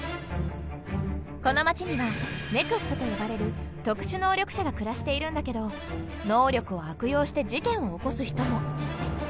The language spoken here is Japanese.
この街には「ＮＥＸＴ」と呼ばれる特殊能力者が暮らしているんだけど能力を悪用して事件を起こす人も。